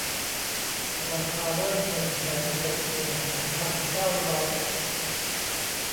ราคาเริ่ม หนึ่งแสนเจ็ดหมื่นสองพันเก้าร้อย